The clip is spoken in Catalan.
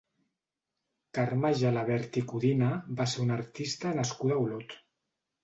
Carme Gelabert i Codina va ser una artista nascuda a Olot.